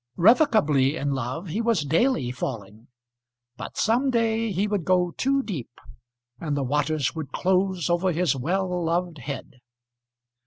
Revocably in love he was daily falling; but some day he would go too deep, and the waters would close over his well loved head.